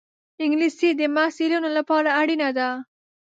انګلیسي د محصلینو لپاره اړینه ده